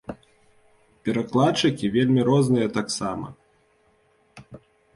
Перакладчыкі вельмі розныя таксама.